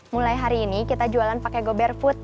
mulai hari ini kita jualan pakai gober food